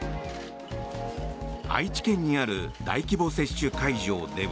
愛知県にある大規模接種会場では。